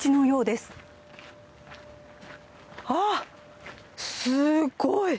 すごい。